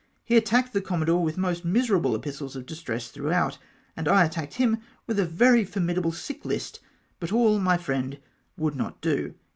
He attacked the commodore with most miserable epistles of distress throughout, and I attacked him with a very formidable sick list, but all, my friend, would not do."